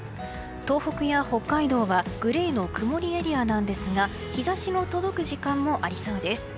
東北や北海道はグレーの曇りエリアなんですが日差しの届く時間もありそうです。